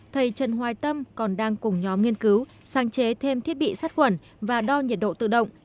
thầy trần hoài tâm còn đang cùng nhóm nghiên cứu sáng chế thêm thiết bị sát khuẩn và đo nhiệt độ tự động